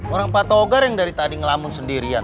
orang patogar yang dari tadi ngelamun sendirian